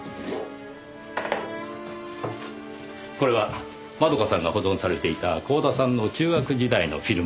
これは窓夏さんが保存されていた光田さんの中学時代のフィルムです。